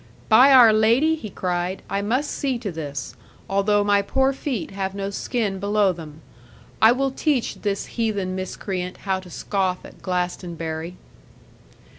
'By our Lady,' he cried, 'I must see to this; although my poor feet have no skin below them. I will teach this heathen miscreant how to scoff at Glastonbury.'